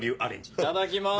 いただきます！